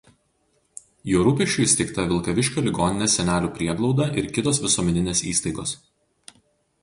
Jo rūpesčiu įsteigta Vilkaviškio ligoninės senelių prieglauda ir kitos visuomeninės įstaigos.